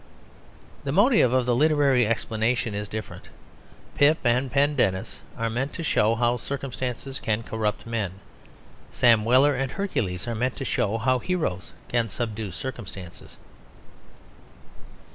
The motive of the literary explanation is different. Pip and Pendennis are meant to show how circumstances can corrupt men. Sam Weller and Hercules are meant to show how heroes can subdue circumstances.